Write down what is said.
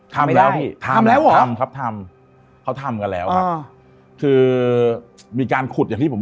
ทำแล้วที่ทำแล้ววะทำเขาทำกันแล้วคือมีการขุดอย่างที่ผม